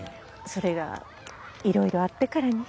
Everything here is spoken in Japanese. それがいろいろあってからに。